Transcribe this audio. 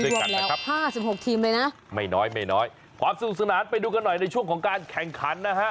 โอ้ยรวมแล้ว๕๖ทีมเลยนะไม่น้อยความสุขสนานไปดูกันหน่อยในช่วงของการแข่งขันนะฮะ